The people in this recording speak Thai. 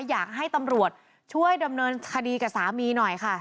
อยากให้ตำรวจช่วยดำเนินคดีกับสามีหน่อยค่ะ